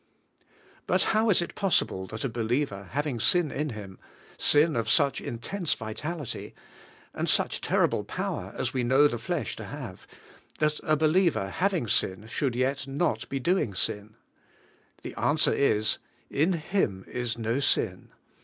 But how is it possible that a believer, having sin in him, — sin of such intense vitality, and such terriT3le power as we know the flesh to have, — that a believer having sin should yet not he doing sin ? The answer is: 'In Him is no sin.